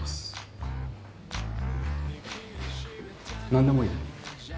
何でもいい？